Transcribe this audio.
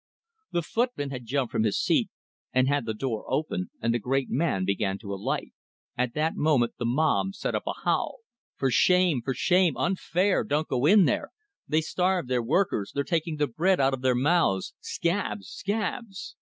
The footman had jumped from his seat, and had the door open, and the great man began to alight. At that moment the mob set up a howl. "For shame! For shame! Unfair! Don't go in there! They starve their workers! They're taking the bread out of our mouths! Scabs! Scabs!"